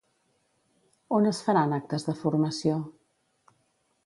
On es faran actes de formació?